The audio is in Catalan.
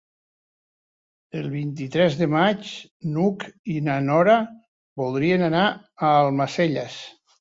El vint-i-tres de maig n'Hug i na Nora voldrien anar a Almacelles.